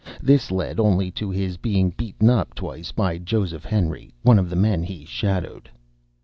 This led only to his being beaten up twice by Joseph Henry, one of the men he shadowed.